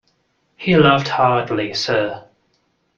He laughed heartily, sir.